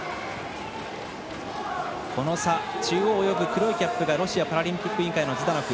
この差、黒いキャップがロシアパラリンピック委員会のズダノフ。